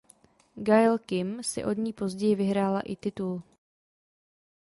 Gail Kim si od ní později vyhrála i titul.